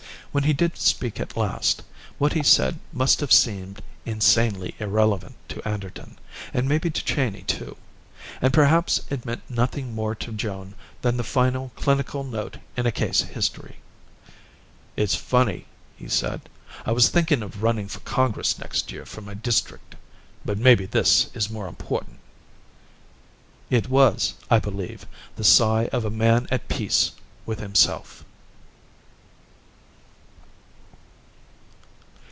When he did speak at last, what he said must have seemed insanely irrelevant to Anderton, and maybe to Cheyney too. And perhaps it meant nothing more to Joan than the final clinical note in a case history. "It's funny," he said, "I was thinking of running for Congress next year from my district. But maybe this is more important." It was, I believe, the sigh of a man at peace with himself.